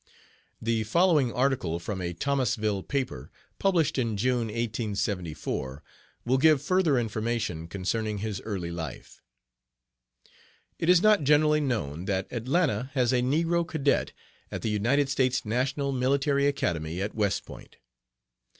The following article from a Thomasville paper, published in June, 1874, will give further information concerning his early life: "'It is not generally known that Atlanta has a negro cadet at the United States National Military Academy at West Point.